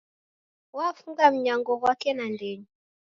Wafunga mnyango ghwake nandenyi